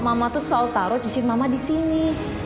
mama tuh selalu taruh cincin mama disini